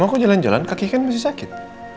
ma kok jalan jalan kaki kan masih sakit